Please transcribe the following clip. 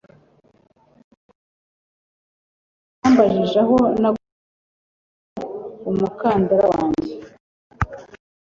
Tom yambajije aho naguze umukandara wanjye